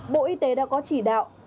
bộ y tế đã có chỉ đạo